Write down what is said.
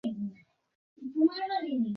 তোমার বাপ একটা নতুন গোঁফ রেখেছে দেখো।